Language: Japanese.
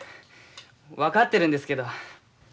分かってるんですけど。